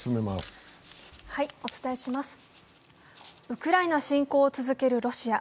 ウクライナ侵攻を続けるロシア。